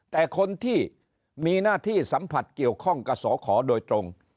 แต่คนที่มีหน้าที่สัมผัสเกี่ยวข้องกับสอขอโดยตรง